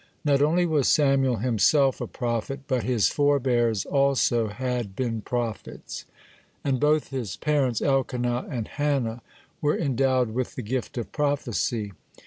Not only was Samuel himself a prophet, but his forebears also has been prophets, (1) and both his parents, Elkanah and Hannah, were endowed with the gift of prophecy.